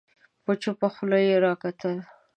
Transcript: په چوپه خوله يې راکتل